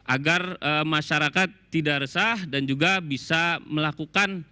agar masyarakat tidak resah dan juga bisa melakukan